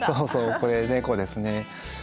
これ猫ですね。